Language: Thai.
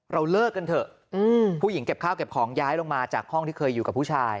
เลิกกันเถอะผู้หญิงเก็บข้าวเก็บของย้ายลงมาจากห้องที่เคยอยู่กับผู้ชาย